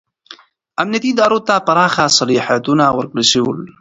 امنیتي ادارو ته پراخ صلاحیتونه ورکړل شول.